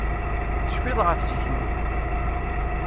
Tecfiḍ ɣef zik-nni?